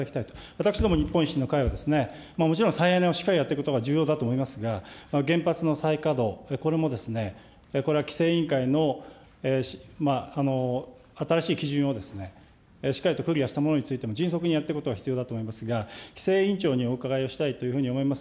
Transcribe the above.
私ども日本維新の会は、もちろん再エネをしっかりやっていくことが重要だと思いますが、原発の再稼働、これもこれは規制委員会の新しい基準をですね、しっかりとクリアしたものについても、迅速にやっていくことが必要だと思いますが、規制委員長にお伺いをしたいというふうに思います。